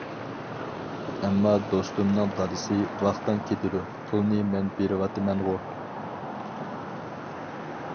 ئەمما دوستۇمنىڭ دادىسى، ۋاقتىڭ كېتىدۇ، پۇلنى مەن بېرىۋاتىمەنغۇ!